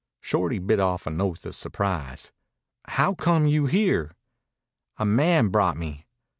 Shorty bit off an oath of surprise. "Howcome you here?" "A man brought me."